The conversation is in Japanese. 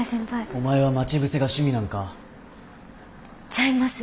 お前は待ち伏せが趣味なんか？ちゃいます。